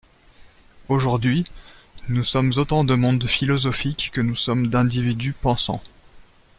Aujourd’hui, nous sommes autant de mondes philosophiques que nous sommes d’individus pensants.